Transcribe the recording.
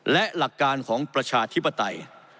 และหลักการของประชาธิปไตย